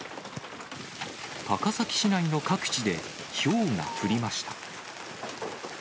高崎市内の各地でひょうが降りました。